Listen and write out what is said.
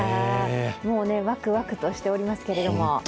もうね、ワクワクとしておりますけれども。